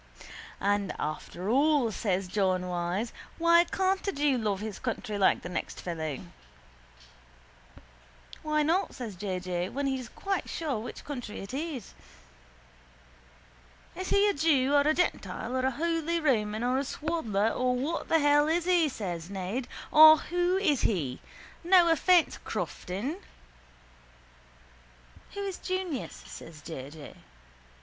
—And after all, says John Wyse, why can't a jew love his country like the next fellow? —Why not? says J. J., when he's quite sure which country it is. —Is he a jew or a gentile or a holy Roman or a swaddler or what the hell is he? says Ned. Or who is he? No offence, Crofton. —Who is Junius? says J. J.